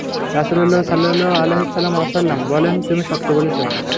রাসূলুল্লাহ সাল্লাল্লাহু আলাইহি ওয়াসাল্লাম বললেন, তুমি সত্য বলেছে।